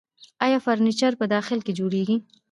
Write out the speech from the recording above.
آیا فرنیچر په داخل کې جوړیږي؟